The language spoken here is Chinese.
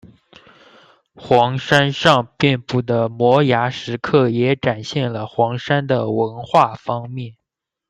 黄山上遍布的摩崖石刻也展现了黄山的文化方面。